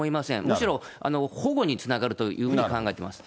むしろ保護につながるというふうに考えてます。